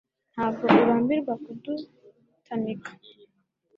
ntabwo urambirwa kudutamika